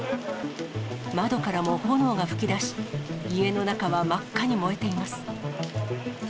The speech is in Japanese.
窓からも炎が噴き出し、家の中は真っ赤に燃えています。